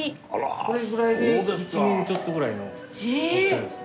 これぐらいで１年ちょっとぐらいの大きさですね。